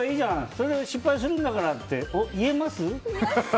それで失敗するんだからって言えます？